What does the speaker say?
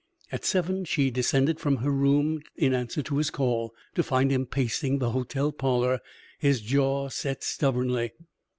At seven she descended from her room in answer to his call, to find him pacing the hotel parlor, his jaw set stubbornly.